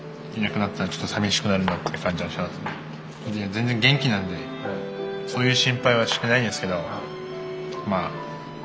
全然元気なんでそういう心配はしてないんですけど。